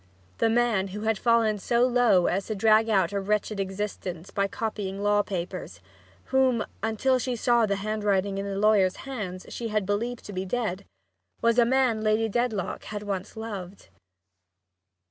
The man who had fallen so low as to drag out a wretched existence by copying law papers whom, until she saw the handwriting in the lawyer's hands, she had believed to be dead was a man Lady Dedlock had once loved.